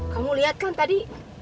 kamu lihat kan tadi